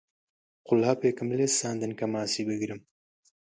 قولاپێکم لێ ساندن کە ماسی بگرم